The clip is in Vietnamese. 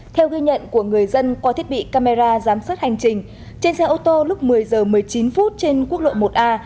theo ghi nhận của người dân qua thiết bị camera giám sát hành trình trên xe ô tô lúc một mươi h một mươi chín phút trên quốc lộ một a